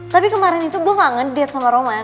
tapi kemarin itu gue gak ngedate sama roman